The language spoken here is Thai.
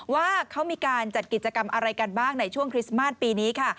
ว่าเขามีการจัดกิจกรรมอะไรกันบ้างในช่วงคริสต์มาสปีนี้ค่ะ